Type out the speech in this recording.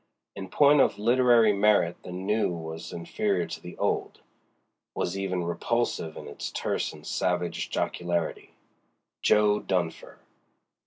In point of literary merit the new was inferior to the old—was even repulsive in its terse and savage jocularity: JO. DUNFER.